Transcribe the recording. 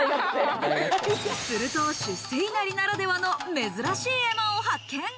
すると、出世稲荷ならではの珍しい絵馬を発見。